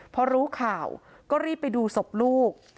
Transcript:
พอรู้ข่าวก็รีบไปดูศพลูก